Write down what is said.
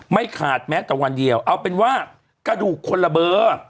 ไม่ขาดแม้แต่วันเดียวเอาเป็นว่ากระดูกคนละเบอร์